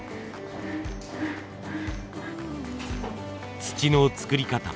土の作り方